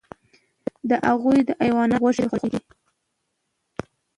د هغو حیواناتو غوښې ډیرې خوږې دي،